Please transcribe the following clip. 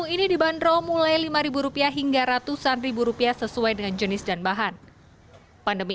ini dibanderol mulai lima ribu rupiah hingga ratusan ribu rupiah sesuai dengan jenis dan bahan pandemi